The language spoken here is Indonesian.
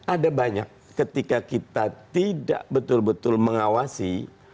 ada banyak ketika kita tidak betul betul mengawasi